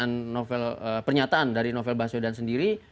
dan kalau mengutip pertanyaan dari novel baswedan sendiri